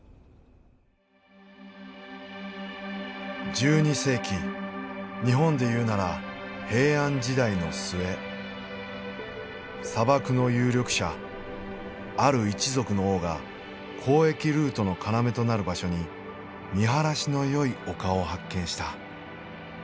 １２世紀日本で言うなら平安時代の末砂漠の有力者ある一族の王が交易ルートの要となる場所に見晴らしのよい丘を発見した。